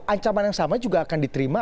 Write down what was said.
ancaman yang sama juga akan diterima